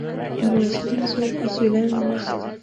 ميرويس خان سوړ اسويلی وايست.